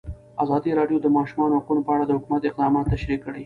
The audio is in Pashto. ازادي راډیو د د ماشومانو حقونه په اړه د حکومت اقدامات تشریح کړي.